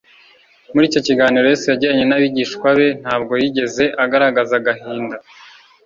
Muri icyo kiganiro Yesu yagiranye n'abigishwa be ntabwo yigeze agaragaza agahinda